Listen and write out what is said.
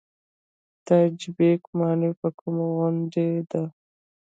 تاج بیګ ماڼۍ په کومه غونډۍ ده؟